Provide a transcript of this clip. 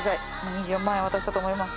２４万円渡したと思います。